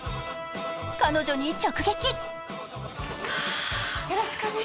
彼女に直撃。